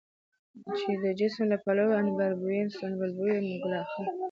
چې د جسم له پلوه عنبربويه، سنبل مويه، ګلرخه،